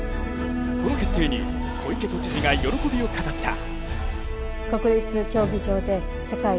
この決定に小池都知事が喜びを語った。